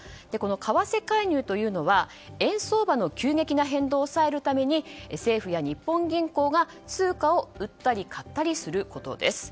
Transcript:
為替介入というのは円相場の急激な変動を抑えるため政府や日本銀行が通貨を売ったり買ったりすることです。